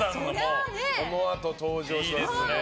このあと登場します。